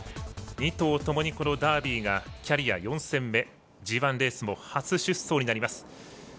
２頭ともに、このダービーがキャリア４戦目ＧＩレース初出走になります。